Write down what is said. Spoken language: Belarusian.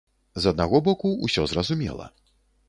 З аднаго боку, усё зразумела.